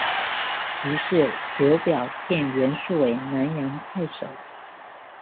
于是刘表荐袁术为南阳太守。